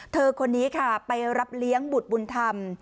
คนนี้ค่ะไปรับเลี้ยงบุตรบุญธรรม